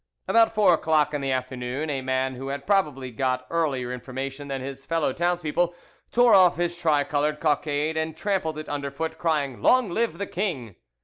About four o'clock in the afternoon, a man, who had probably got earlier information than his fellow townspeople, tore off his tricoloured cockade and trampled it under foot, crying, "Long live the king!"